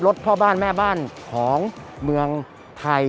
พ่อบ้านแม่บ้านของเมืองไทย